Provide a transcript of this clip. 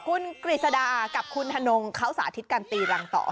คุณกฤษดากับคุณธนงเขาสาธิตการตีรังต่อ